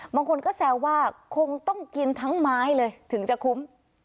บางคนก็แซวว่าคงต้องกินทั้งไม้เลยถึงจะคุ้ม